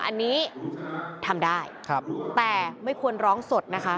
อันนี้ทำได้แต่ไม่ควรร้องสดนะคะ